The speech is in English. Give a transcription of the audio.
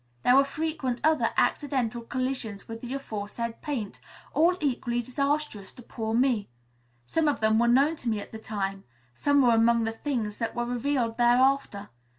There were frequent other accidental collisions with the aforesaid paint, all equally disastrous to poor me. Some of them were known to me at the time; some were among the things that were revealed thereafter.